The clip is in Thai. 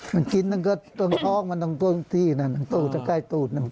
มันกินนั่งก็ตรงห้องนะจากใกล้ตูดนั่งกลิ่งไปตรงห้องอยู่อย่างนี้